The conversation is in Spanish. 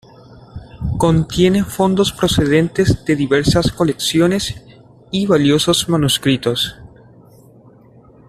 Contiene fondos procedentes de diversas colecciones y valiosos manuscritos.